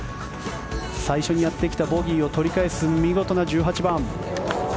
最初にやってきたボギーを取り返す見事な１８番。